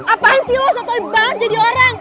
apaan sih lo sotoi banget jadi orang